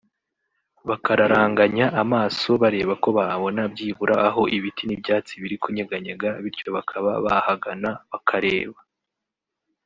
bakararanganya amaso bareba ko babona byibura aho ibiti n’ibyatsi biri kunyeganyega bityo bakaba bahagana bakareba